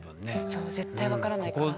そう絶対分からないから。